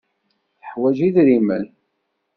Tuḥwaǧ idrimen.